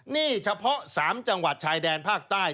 นี่เฉพาะ๓จังหวัดชายแดนภาคใต้